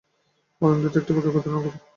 অরুন্ধতী একটি অতি ক্ষুদ্র নক্ষত্র।